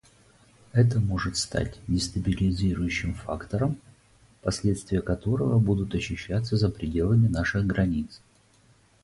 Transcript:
Это может стать дестабилизирующим фактором, последствия которого будут ощущаться за пределами наших границ.